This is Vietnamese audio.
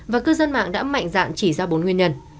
và cư dân mạng đã mạnh dạn chỉ ra bốn nguyên nhân